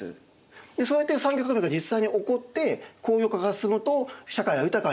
でそうやって産業革命が実際に起こって工業化が進むと社会が豊かになる。